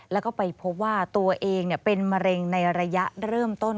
แล้วก็ไปพบว่าตัวเองเป็นมะเร็งในระยะเริ่มต้น